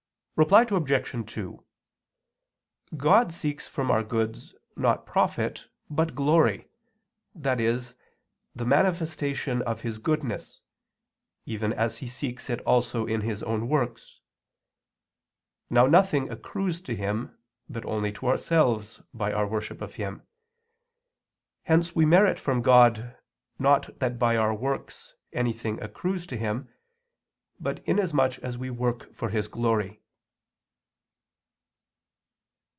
Reply Obj. 2: God seeks from our goods not profit, but glory, i.e. the manifestation of His goodness; even as He seeks it also in His own works. Now nothing accrues to Him, but only to ourselves, by our worship of Him. Hence we merit from God, not that by our works anything accrues to Him, but inasmuch as we work for His glory.